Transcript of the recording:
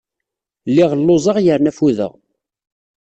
Lliɣ lluẓeɣ yerna ffudeɣ.